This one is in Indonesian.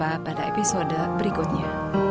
sampai jumpa pada episode berikutnya